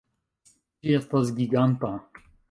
Ĝi estas giganta!